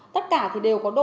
tất cả thì đều có độ